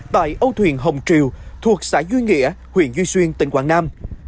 tại âu thuyền hồng triều thuộc xã duy nghĩa huyện duy xuyên tỉnh quảng nam